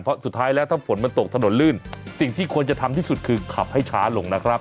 เพราะสุดท้ายแล้วถ้าฝนมันตกถนนลื่นสิ่งที่ควรจะทำที่สุดคือขับให้ช้าลงนะครับ